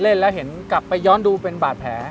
เล่นแล้วเห็นกลับไปย้อนดูเป็นบาดแผล